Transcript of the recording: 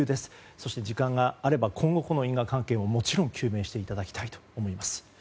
そして時間があれば今後、この因果関係も究明していただきたいと思います。